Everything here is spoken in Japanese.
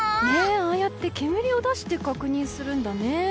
ああやって煙を出して確認するんだね。